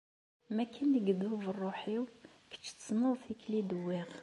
Mi akken i idub ṛṛuḥ-iw, kečč tessneḍ tikli i d-wwiɣ.